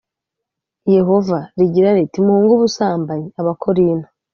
yehova rigira riti muhunge ubusambanyi abakorinto